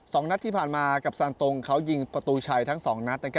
สองนัดที่ผ่านมากับซานตรงเขายิงประตูชัยทั้งสองนัด